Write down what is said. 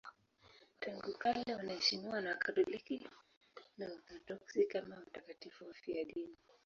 Tangu kale wanaheshimiwa na Wakatoliki na Waorthodoksi kama watakatifu wafiadini.